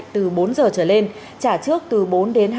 từ bốn h trở lên trả trước từ bốn h đến hai mươi bốn h